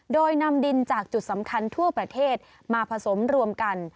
โดยนำดินจากจุดสำคัญทั่วประเทศมาผสมรวมกัน